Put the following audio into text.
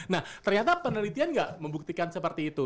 nah ternyata penelitian nggak membuktikan seperti itu